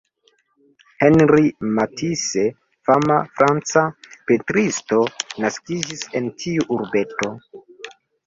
Henri Matisse, fama franca pentristo, naskiĝis en tiu urbeto.